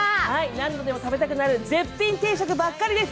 何度でも食べたくなる絶品定食ばっかりです。